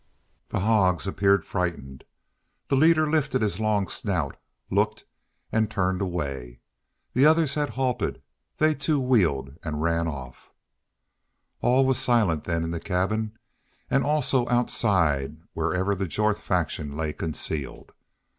The hogs appeared frightened. The leader lifted his long snout, looked, and turned away. The others had halted. Then they, too, wheeled and ran off. All was silent then in the cabin and also outside wherever the Jorth faction lay concealed.